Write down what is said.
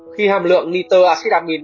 khi hàm lượng nitroacid amine